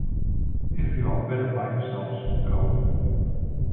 If you are better by yourselves, go.